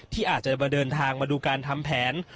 ที่อาจจะมาเดินทางมาดูการทำแผน